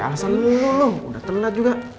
alasan lu dulu lu udah telat juga